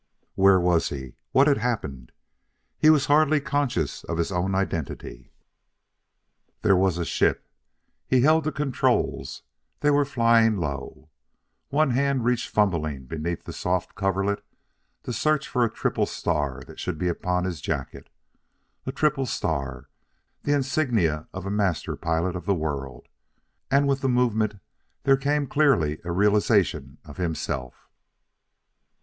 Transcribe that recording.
Where was he? What had happened? He was hardly conscious of his own identity.... There was a ship ... he held the controls ... they were flying low.... One hand reached fumblingly beneath the soft coverlet to search for a triple star that should be upon his jacket. A triple star: the insignia of a Master Pilot of the World! and with the movement there came clearly a realization of himself.